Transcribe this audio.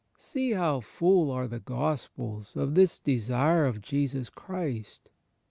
See how full are the Gospels of this desire of Jesus Christ!